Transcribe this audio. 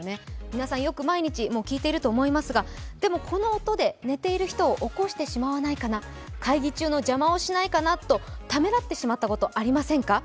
皆さん、よく毎日聞いていると思いますがでも、この音で寝ている人を起こしてしまわないかな、会議中の邪魔をしないかなとためらってしまったことありませんか？